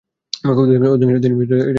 অধিকাংশ দিনই এটা আমার নিজস্ব ব্যাপার।